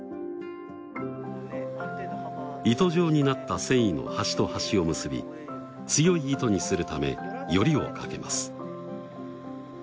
糸状になった繊維の端と端を結び強い糸にするためよりをかけます。